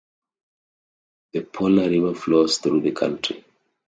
The Poplar River flows through the county.